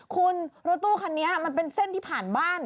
คุณรถตู้คันนี้มันเป็นเส้นที่ผ่านบ้าน